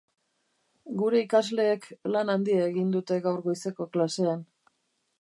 Gure ikasleek lan handia egin dute gaur goizeko klasean.